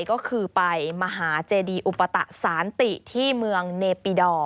ก็คือไปมหาเจดีอุปตะสานติที่เมืองเนปิดอร์